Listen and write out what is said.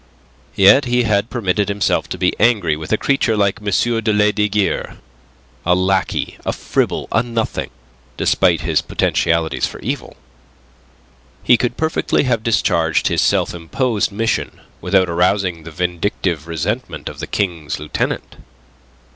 Yet he had permitted himself to be angry with a creature like M. de Lesdiguieres a lackey, a fribble, a nothing, despite his potentialities for evil. He could perfectly have discharged his self imposed mission without arousing the vindictive resentment of the King's Lieutenant.